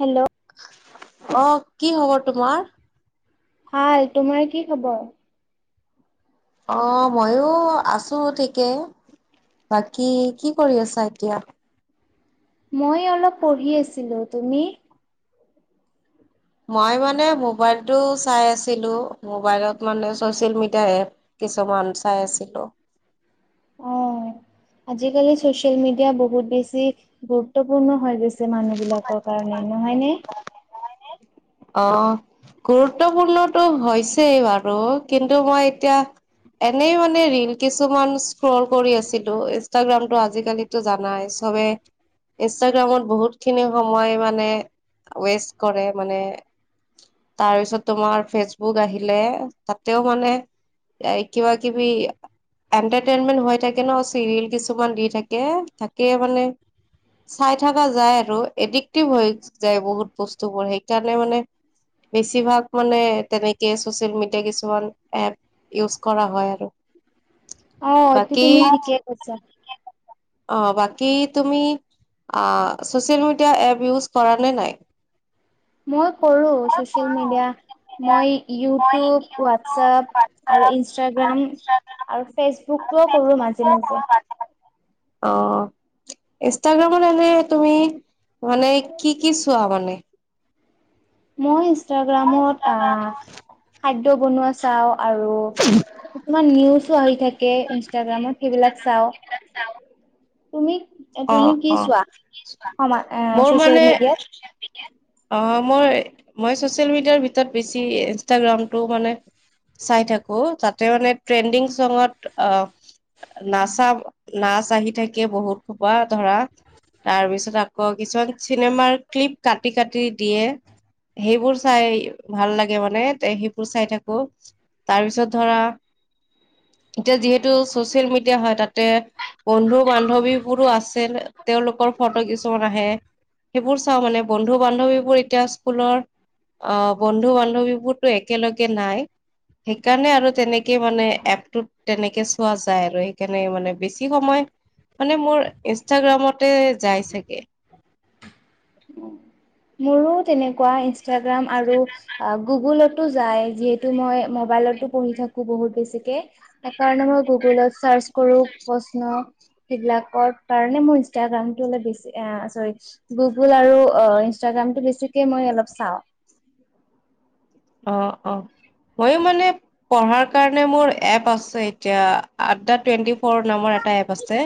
Hello অ কি হ'ব তোমাৰ ভাল তোমাৰ কি খবৰ অ ময়ো আছো ঠিকে বাকী কি কৰি আছা এতিয়া মই অলপ পঢ়ি আছিলো তুমি মই মানে মোবাইলটো চাই আছিলো মোবাইলত মানে চচিয়েল মিডিয়া এপ কিছুমান চাই আছিলো অ', [inaudible] আজিকালি চচিয়েল মিডিয়া বহুত বেছি গুৰুত্বপূৰ্ণ হৈ গৈছে মানুহ বিলাকৰ কাৰণে নহয় নে অ গুৰুত্বপূৰ্ণতো হৈছেই বাৰু কিন্তু মই এতিয়া এনেই মানে ৰীল কিছুমান স্ক্ৰল কৰি আছিলো ইনষ্টাগ্ৰামটো আজিকালি তো জানাই চবে ইনষ্টাগ্ৰামত বহুত খিনি সময় মানে ৱেষ্ট কৰে মানে তাৰপিছত তোমাৰ ফেচবুক আহিলে তাতেও মানে এই কিবা কিবি এণ্টাৰটেইনমেণ্ট হৈ থাকে ন চিৰিয়েল কিছুমান দি থাকে তাকে মানে চাই থকা যায় আৰু এডিক্টিভ হৈ যায় বহুত বস্তুবোৰ সেইকাৰণে মানে বেছিভাগ মানে তেনেকে চচিয়েল মিডিয়া কিছুমান এপ ইউজ কৰা হয় আৰু অ', এইটো বাকী, তুমি ঠিকে কৈছা অ, বাকি তুমি আ, ছচিয়েল মিডিয়া এপ ইউজ কৰা নে নাই? মই কৰো চচ ছচিয়েল মিডিয়া মই ইউটিউব, হোৱাটছপ আৰু ইনষ্টাগ্ৰাম। আৰু ফেচবুক ও কৰো মাজে- মাজে। অ, ইনষ্টাগ্ৰামত এনে তুমি। মানে কি- কি চোৱা মানে। মই ইনষ্টাগ্ৰামত, আ, খাদ্য বনোৱা চা চাওঁ আৰু কিছুমান নিউজো আহি থাকে ইনষ্টাগ্ৰামত। সেইবিলাক চাওঁ। চাও। তুমি অ তুমি কি অ চোৱা কি চোৱা সমা মোৰ চচিয়েল মানে মিডিয়াত? অ, মই- মই চচিয়েল মিডিয়াৰ ভিতৰত বেছি ইনষ্টাগ্ৰামটো মানে চাই থাকো। তাতে মানে ট্ৰেণ্ডিং চঙত অ, নাচা, নাচ আহি থাকে, বহুত হোপা ধৰা, তাৰ পিছত আকৌ কিছুমান চিনেমাৰ ক্লিপ কাটি- কাটি দিয়ে। সেইবোৰ চাই ভাল লাগে মানে তে সেইবোৰ চাই থাকো। তাৰ পিছত ধৰা এতিয়া যিহেতু, ছচিয়েল মিডিয়া হয় তাতে, বন্ধু- বান্ধৱী বোৰো আছিল। তেওঁলোকৰ ফটো কিছুমান আহে। সেইবোৰ চাওঁ মানে বন্ধু- বান্ধৱীবোৰ এতিয়া স্কুলৰ, অ, বন্ধু- বান্ধৱীবোৰ ত একেলগে নাই। সেইকাৰণে আৰু তেনেকে মানে, এপটোত তেনেকে, চোৱা যায় আৰু সেইকাৰণে মানে বেছি সময়। মানে মোৰ ইনষ্টাগ্ৰামতে যাই চাগে। মোৰো তেনেকুৱা, ইনষ্টাগ্ৰাম আৰু আ গুগলত তো যায় যিহেতু মই মোবাইলটো পঢ়ি থাকো বহুত বেছিকে। সেইকাৰণে মই গুগলত চাৰ্চ কৰো প্ৰশ্ন। সেইবিলাকৰ কাৰণে মোৰ ইনষ্টাগ্ৰামটো অল বেছি, এ চৰি গুগল আৰু অ, ইনষ্ ইনষ্টাগ্ৰামটো বেছিকে মই অলপ চাওঁ। অ- অ। মইও মানে পঢ়াৰ কাৰণে মোৰ এপ আছে এতিয়া আড্ডা টুৱেণ্টি, ফৰ নামৰ এটা এপ আছে।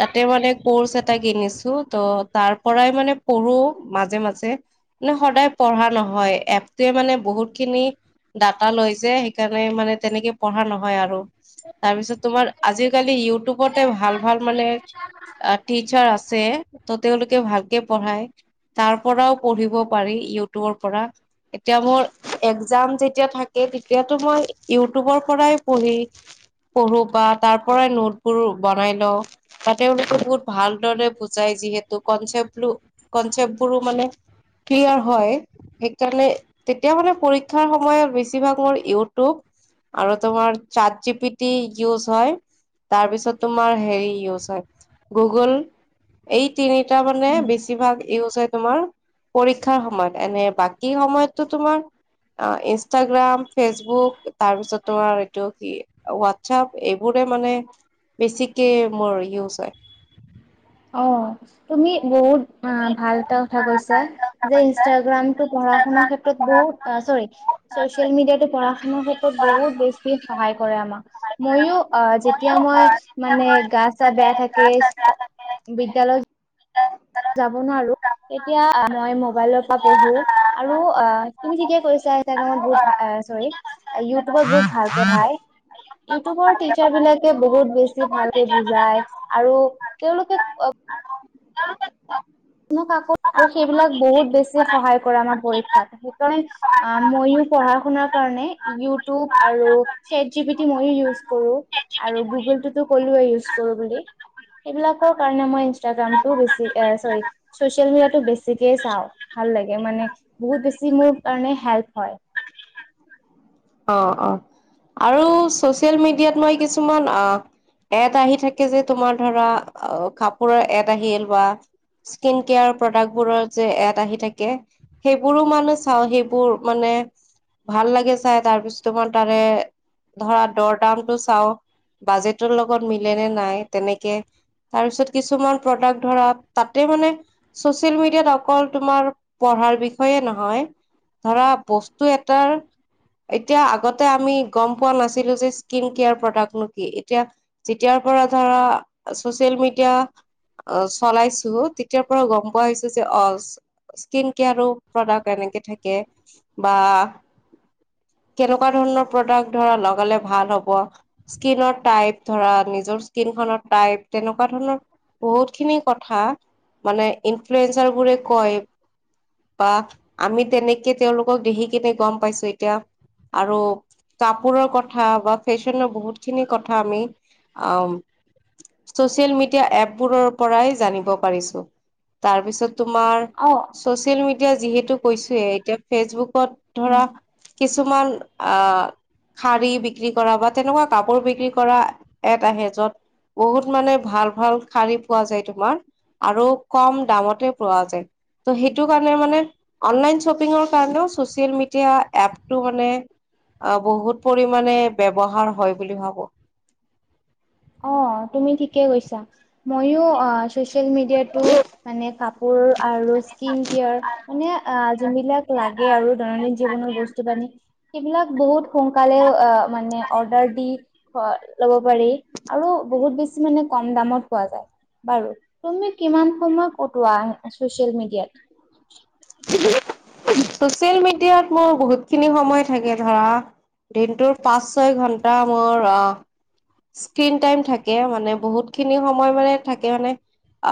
তাতে মানে কৰ্চ এটা কিনিছো ত' তাৰ পৰাই মানে, পঢ়ো মাজে-মাজে মানে সদায় পঢ়া নহয় এপটোৱে মানে বহুত, খিনি ডাটা লয় যে সেইকাৰণে মানে তেনেকে, পঢ়া নহয় আৰু। তাৰপিছত তোমাৰ আজিকালি ইউটিউবতে ভাল- ভাল মানে, এ টিচাৰ আছে। ত 'তেওঁলোকে ভাল কে পঢ়াই তাৰ পৰাও পঢ়িব পাৰি ইউটিউবৰ পৰা এতিয়া মোৰ, এক্জাম যেতিয়া থাকে তেতিয়াটো মই ইউটিউবৰ পৰাই পঢ়ি, পঢ়োঁ বা তাৰ পৰাই নোটবোৰ বনাই লওঁ। বা তেওঁলোকে বহুত ভালদৰে বুজাই যিহেতু, কনচেপ্ট- কনচেপ্ট বোৰো মানে, ক্লিয়াৰ হয় সেইকাৰণে, তেতিয়া মানে পৰীক্ষাৰ সময়ত বেছিভাগ মোৰ ইউটিউব আৰু তোমাৰ, chat G P T use হয় তাৰ পিছত তোমাৰ হেৰি ইউজ হয়, গুগল এই তিনিটা মানে বেছিভাগ ইউজ হয়, তোমাৰ পৰীক্ষাৰ সময়ত এনে বাকী সময়টো, তোমাৰ অ ইনষ্টাগ্ৰাম, ফেচবুক তাৰপিছত তোমাৰ, এইটো কি হোৱাটছপ এইবোৰে মানে বেছিকে মোৰ ইউজ হয় অ তুমি বহুত ভাল এটা কথা কৈছা যে ইনষ্টাগ্ৰাম টো পঢ়া শুনাৰ ক্ষেত্ৰত বহুত চৰি চচিয়েল মিডিয়াতো পৰা শুনাৰ ক্ষেত্ৰত বহুত বেছি সহায় কৰে আমাক মইয়ু অ যেতিয়া মই মানে গা চা বেয়া থাকে বিদ্যালয় যাব নোৱাৰো এতিয়া মই মোবাইলৰ পৰা পঢ়ো আৰু অ তুমি থিকেই কৈছা ইতাগ্ৰামত বহুত ভ চৰি ইউটিউবত বহুত ভালকে ভাই ইউটিউবৰ টিচাৰ বিলাকে বহুত বেছি ভালকে বুজায় আৰু তেওঁলোকে অ আৰু ত কে আকৌ আৰু সেইবিলাক বহুত বেছি সহায় কৰে আমাৰ পৰীক্ষাত সেইকাৰণে অ, ময়ো পঢ়া শুনাৰ কাৰণে ইউটিউব আৰু চেট জি বি টি মইো ইউজ কৰো আৰু গুগলতটো ক'লোৱে ইউজ কৰো বুলি এইবিলাকৰ কাৰণে মই ইনষ্টাগ্ৰাম টো বেছি এ চৰি চচিয়েল মিডিয়টো বেছিকে চাওঁ ভাল লাগে মানে বহুত বেছি মোৰ কাৰণে হেল্প হয় অ অ আৰু ছচিয়েল মিডিয়াত মই কিছুমান অ এড আহি থাকে যে তোমাৰ ধৰা কাপোৰৰ এড আহিল বা স্কিন কেয়াৰ প্ৰডাক্টবোৰৰ যে এড আহি থাকে সেইবোৰো মানে চাওঁ সেইবোৰ মানে ভাল লাগে চাই তাৰ পিছত তোৰ তাৰে ধৰা দৰ দাম টো চাও বাজেটৰ লগত মিলে নে নাই তেনেকে তাৰপিছত কিছুমান প্ৰডাক্ট ধৰা তাতে মানে ছচিয়েল মিডিয়াত অকল তোমাৰ পঢ়াৰ বিষয়ে নহয় ধৰা বস্তু এটাৰ এতিয়া আগতে আমি গম পোৱা নাছিলো যে স্কিন কেয়াৰ প্ৰডাক্ত নো কি এতিয়া যেতিয়াৰ পৰা ধৰা ছচিয়েল মিডিয়া অ চলাইছো তেতিয়াৰ পৰা গম পোৱা হৈছো যে অ স্কিন কেয়াৰো প্ৰডাক্ট এনেকে থাকে বা কেনেকুৱা ধৰণৰ প্ৰডাক্ট ধৰা লগালে ভাল হ'ব স্কিনৰ টাইপ ধৰা নিজৰ স্কিন খনৰ টাইপ তেনেকুৱা ধৰণৰ বহুত খিনি কথা মানে ইনফ্লুৱেঞ্জাৰ বোৰে কয় বা আমি তেনেকে তেওঁলোকক দেখি কিনে গম পাইছো এতিয়া আৰু কাপোৰৰ কথা বা ফেশ্বনৰ বহুত খিনি কথা আমি আহ ছচিয়েল মিডিয়া এপবোৰৰ পৰাই জানিব পাৰিছো তাৰপিছত তোমাৰ হয় ছচিয়েল মিডিয়া যিহেতু কৈছোয়ে এতিয়া ফেচবুকত ধৰা অ কিছুমান আহ শাৰী বিক্ৰী কৰা বা তেনেকুৱা কাপোৰ বিক্ৰী কৰা এট আহে য'ত বহুত মানে ভাল - ভাল শাৰী পোৱা যায় তোমাৰ আৰু কম দামতে পোৱা যায়। ত সেইটো কাৰণে মানে অনলাইন শ্বপিঙৰ কাৰণেও চচিয়েল মিডিয়া এপটো মানে অ বহুত পৰিমাণে ব্যৱহাৰ হয় বুলি ভাবো। অ তুমি ঠিকে কৈছা, মইও আ চচিয়েল মিডিয়াটো মানে কাপোৰ আৰু স্কিন কেয়াৰ মানে আ যোনবিলাক লাগে আৰু দৈনন্দিন জীৱনৰ বস্তু পানী সেইবিলাক বহুত সোনকালে আ মানে অৰ্ডাৰ দি হ ল'ব পাৰি। আৰু বহুত বেছি মানে কম দামত পোৱা যায়। বাৰু, তুমি কিমান সময় কটোৱা চচিয়েল মিডিয়াত? চচিয়েল মিডিয়াত মোৰ বহুতখিনি সময় থাকে ধৰা দিনটোৰ পাঁচ, ছয় ঘণ্টা মোৰ আ স্ক্ৰীন টাইম থাকে মানে বহুতখিনি সময় মানে থাকে মানে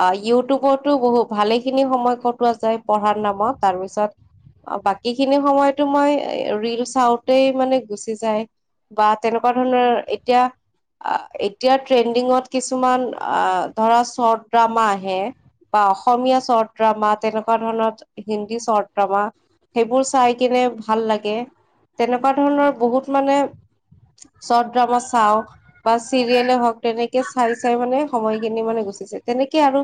আ ইউটিউবতো বহুত ভালেখিনি সময় কটোৱা যায় পঢ়াৰ নামত তাৰপিছত অ বাকীখিনি সময়তো মই এ ৰিল চাওতেই মানে গুচি যায় বা তেনেকুৱা ধৰণৰ এতিয়া আ এতিয়া ট্ৰেণ্ডিঙত কিছুমান আ ধৰা চৰ্ট ড্ৰামা আহে বা অসমীয়া চৰ্ট ড্ৰামা তেনেকুৱা ধৰণৰ হিন্দী চৰ্ট ড্ৰামা সেইবোৰ চাই কিনে ভাল লাগে তেনেকুৱা ধৰণৰ বহুত মানে চৰ্ট ড্ৰামা চাও বা চিৰিয়েলে হওক তেনেকে চাই চাই মানে সময়খিনি মানে গুছি যায় তেনেকে আৰু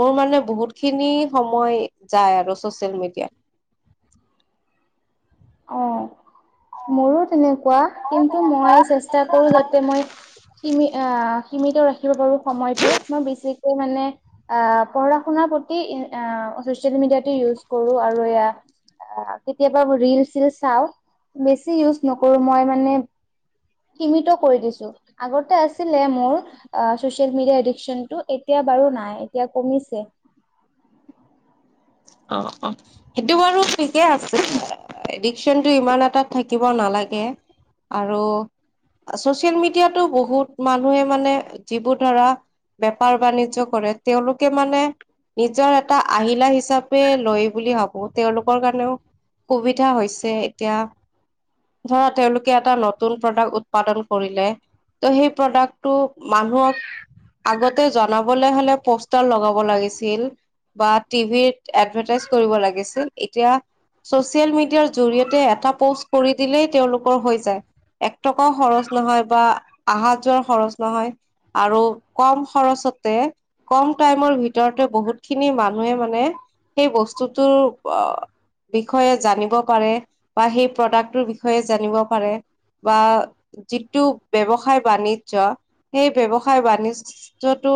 মোৰ মানে বহুতখিনি সময় যায় আৰু ছচিয়েল মিডিয়াত। অ মোৰো তেনে কুৱা কিন্তু মই চেষ্টা কৰো যাতে মই সিমি আ সীমিত ৰাখ খিব পাৰোঁ সময়টো, মই বেছিকৈ মানে আহ পঢ়া - শুনাৰ প্ৰতি ই আ ছচিয়েল মিডিয়াটো ইউজ কৰো আৰু এয়া অ কেতিয়াবা ৰিল চিল চাও, বেছি ইউজ নকৰো মই মানে সীমিত কৰি দিছো আগতে আছিলে মোৰ অ ছচিয়েল মিডিয়া এডিকচনটো এতিয়া বাৰু নাই এতিয়া কমিছে। অ অ। সেইটো বাৰু ঠিকে আছে, এ এডিকচনটো ইমান এটাত থাকিব নালাগে। আৰু ছচিয়েল মিডিয়াতো বহুত মানুহে মানে যিবোৰ ধৰা বেপাৰ - বাণিজ্য কৰে, তেওঁলোকে মানে নিজৰ এটা আহিলা হিচাপ পে লৈ বুলি ভাবো তেওঁলোকৰ কাৰণেও সুবিধা হৈছে এতিয়া ধৰা তেওঁলোকে এটা নতুন প্ৰডাক্ট উৎপাদন কৰিলে ত' সেই প্ৰডাক্টটো মানুহক আগতে জনাবলৈ হ'লে প'ষ্টাৰ লগাব লাগিছিল বা টিভিত এডভাটাইজ কৰিব লাগিছিল এতিয়া ছচিয়েল মিডিয়াৰ জৰি়য়তে এটা পোষ্ট কৰি দিলেই তেওঁলোকৰ হৈ যায়। এক টকাও খৰচ নহয় বা আহা যোৱাৰ খৰচ নহয়। আৰু কম খৰচতে কম টাইমৰ ভিতৰতে বহুতখিনি মানুহে মানে সেই বস্তুটোৰ আহ বিষয়ে জানিব পাৰে বা সেই প্ৰডাক্টটোৰ বিষয়ে জানিব পাৰে বা যিটো ব্যয়ৱসায় বাণিজ্য সেই ব্যৱসায় বাণিজ্য তৃতীয়টো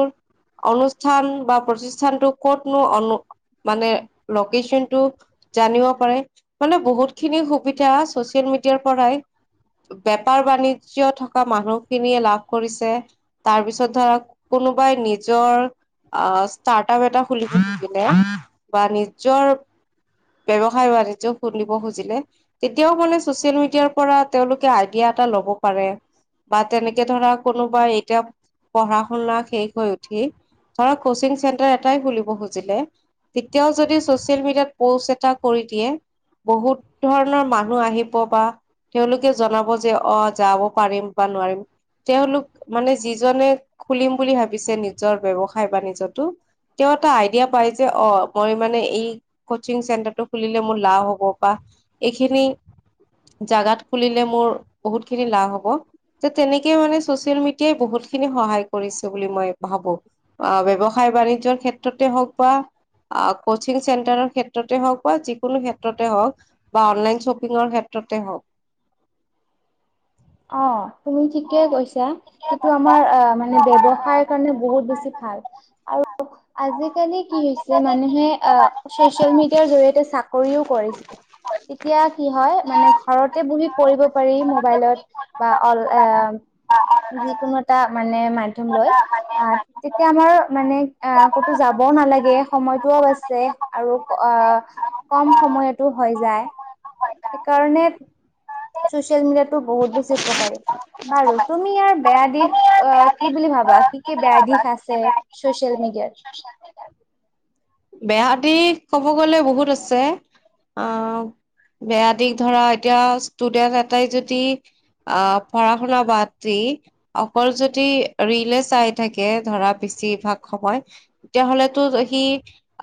অনুষ্ঠান বা প্ৰতিষ্ঠানটো কতনো অনু মানে লোকেশচন টো জানিব পাৰে মানে বহুত খিনি সুবিধা চচিয়েল মিডিয়াৰ পৰাই- বেপাৰ বাণিজ্যয় থকা মানুহখিনিয়ে লাভ কৰিছে। তাৰ পিছত ধৰ কোনোবাই নিজৰ ষ্টাৰ্ট আপ এটা খুলিব। খুলে বা নিজৰ। ব্যৱসায় বাণিজ্য খুলিব খোজিলে তেতিয়াও মানে চচিয়েল মিডিয়াৰ পৰা তেওঁলোকে আইডিয়া এটা ল'ব পাৰে। বা তেনেকে ধৰা কোনোবা এতিয়া পঢ়া শুনা শেষ হৈ উঠি ধৰক কচিং চেণ্টাৰ এটাই খুলিব খুজিলে? তেতিয়াও যদি ছচিয়েল মিডিয়াত প'ষ্ট এটা কৰি দিয়ে। বহুত ধৰণৰ মানুহ আহিব বা- তেওঁলোকে জনাব যে অঁ যাব পাৰিম বা নোৱাৰিম। তেওঁলোক মানে যিজনে খুলিম বুলি ভাবিছে নিজৰ ব্যৱসায় বাণিজ্যতো। তেওঁ এটা আইডিয়া পায় যে অঁ মই মানে এই কচিং চেণ্টাৰটো খুলিলে মোৰ লাভ হ'ব বা এইখিনি- জাগাত খুলিলে মোৰ বহুত খিনি লাভ হ'ব। তে তেনেকে মানে চচিয়েল মিডিয়াই বহুত খিনি সহায় কৰিছে বুলি মই ভাবো। অঁ ব্যৱসায় বাণিজ্যৰ ক্ষেত্ৰতে হওঁক বা কচিং চেণ্টাৰৰ- ক্ষেত্ৰতে হওঁক বা যিকোনো ক্ষেত্ৰতে হওঁক বা অনলাইন শ্বপিঙৰ ক্ষেত্ৰতে হওঁক। অঁ! তুমি ঠিকে কৈছা সেইটো আমাৰ অঁ মানে ব্যৱসায় কাৰণে বহুত বেছি ভাল। আৰু। আজিকালি কি হৈছে মানুহে অঁ ছচিয়েল মিডিয়াৰ জৰিয়তে চাকৰিও কৰিছে। এতিয়া কি হয় মানে ঘৰতে বহি পঢ়িব পাৰি মোবাইলত। বা অল এ যিকোনো এটা মানে মাধ্যম লৈয় আহ তিক এতিয়া আমাৰ মানে আহ ক'তো যাবও নালাগে সময়তটোও বাচছে আৰু আহ কম সময়তো হৈ যায়। সেইকাৰণে ছচিয়েল মিডিয়াতটো বহুত বেছি উপকাৰী। বাৰু তুমি ইয়াৰ বেয়া দিশ অ কি বুলি ভাবা কি? কি বেয়া দিশ আছে ছ'চিয়েল মিডিয়াত। বেয়া দিখ কব গ'লে বহুত আছে। আহ বেয়া দিখ ধৰা এতিয়া ষ্টুডেন্ট এটাই যদি আহ পঢ়া শুনা বাদ দি অকল যদি- ৰিলে চাই থাকে ধৰা বেছিভাগ সময় তেতিয়াহলেতো সি?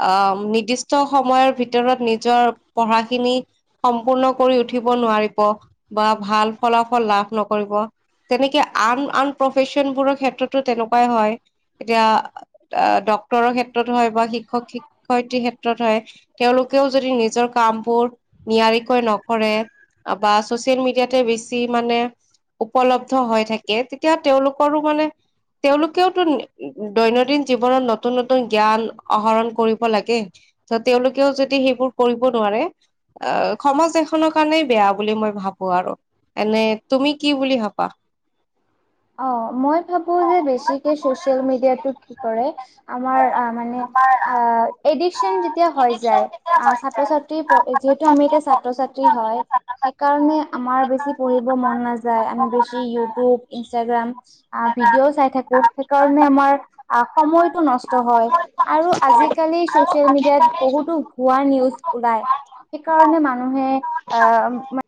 আহ নিৰ্দিষ্ট সময়ৰ ভিতৰত নিজৰ পঢ়াখিনি সম্পূৰ্ণ কৰি উঠিব নোৱাৰিব বা ভাল ফলাফল লাভ নকৰিব। তেনেকে আন আন প্ৰফেশচনবোৰৰ ক্ষেত্ৰতো তেনেকুৱাই হয় এতিয়া। অঁ ডক্তৰৰ ক্ষেত্ৰত হয়ঁ বা শিক্ষক শিক্ষয়িত্ৰী ক্ষেত্ৰত হয়ঁ। তেওঁলোকেও যদি নিজৰ কামবোৰ নিয়াৰিকৈ নকৰে। বা ছচিয়েল মিডিয়াতে বেছি মানে উপলব্ধ হৈ থাকে তেতিয়া তেওঁলোকৰো মানে- তেওঁলোকেওতো দৈনন্দিন জীৱনত নতুন নতুন জ্ঞান আহৰণ কৰিব লাগে। ত তেওঁলোকেও যদি সেইবোৰ কৰিব নোৱাৰে? আ সমাজ এখনৰ কাৰণেই বেয়া বুলি মই ভাবো আৰু এনে তুমি কি বুলি ভাবা অ মই ভাবো যে বেছিকে চচিয়েল মিডিয়াটো কি কৰে আমাৰ মানে আ এডিকচন যেতিয়া হৈ যায় আ ছাত্ৰ ছাত্ৰী যিহেতু আমাৰ এতিয়া ছাত্ৰ ছাত্ৰী হয় সেইকাৰণে আমাৰ বেছি পঢ়িব মন নাযায় আমি বেছি ইউটিউব ইনষ্টাগ্ৰাম ভিডিঅ' চাই থাকো সেই কাৰণে আমাৰ সময়টো নষ্ট হয় আৰু আজিকালি ছচিয়েল মিডিয়াত বহুতো ভুৱা নিউজ ওলায় সেইকাৰণে মানুহে আ